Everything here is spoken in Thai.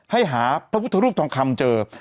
ให้หาพระพุทธรูปทองคำเจอ